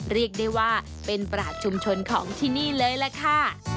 เรียกได้ว่าเป็นปราศชุมชนของที่นี่เลยล่ะค่ะ